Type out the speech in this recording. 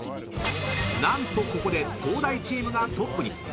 ［何とここで東大チームがトップに］